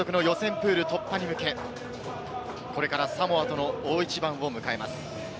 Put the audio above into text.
プール突破に向け、これからサモアとの大一番を迎えます。